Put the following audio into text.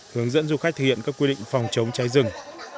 hướng dẫn du khách thực hiện các quy định phòng chống cháy rừng